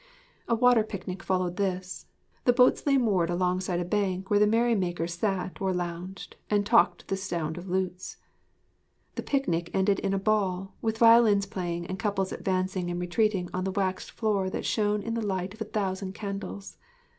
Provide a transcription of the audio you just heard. A water picnic followed this. The boats lay moored alongside a bank where the merry makers sat or lounged and talked to the sound of lutes. The picnic ended in a ball, with violins playing and couples advancing and retreating on the waxed floor that shone in the light of a thousand candles.